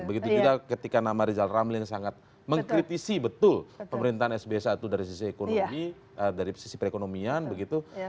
begitu juga ketika nama rizal ramlin sangat mengkritisi betul pemerintahan sbe i dari sisi ekonomi dari sisi perekonomian begitu